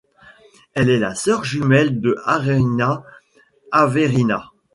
Elle est la sœur jumelle de Arina Averina.